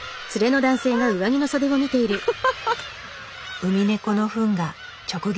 ウミネコのフンが直撃。